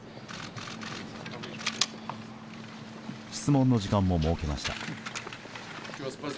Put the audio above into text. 質問の時間も設けました。